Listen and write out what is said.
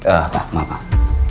ah pak maaf pak